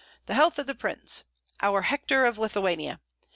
"The health of the prince!" "Our Hector of Lithuania!"